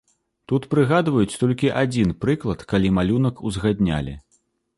Тут прыгадваюць толькі адзін прыклад, калі малюнак узгаднялі.